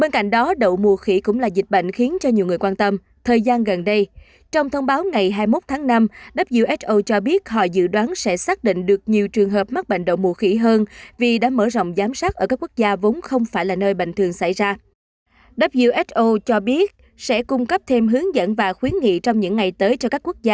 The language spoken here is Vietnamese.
các bạn hãy đăng ký kênh để ủng hộ kênh của chúng mình nhé